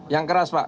yang keras pak